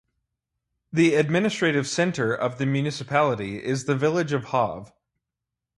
The administrative centre of the municipality is the village of Hov.